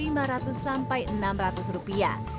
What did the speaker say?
rp lima ratus sampai enam ratus rupiah